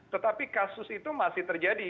tetapi kasus itu masih terjadi